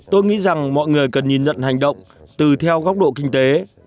tôi nghĩ rằng mọi người cần nhìn nhận hành động tùy theo góc độ kinh tế